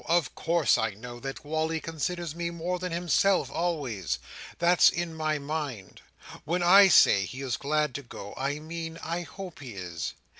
Of course I know that Wally considers me more than himself always. That's in my mind. When I say he is glad to go, I mean I hope he is.